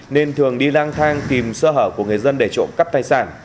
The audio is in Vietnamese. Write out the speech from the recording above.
nên thường đi lang thang tìm sơ hở của người dân để trộm cắp tài sản